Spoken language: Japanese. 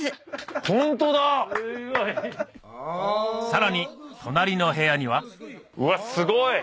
さらに隣の部屋にはうわっすごい！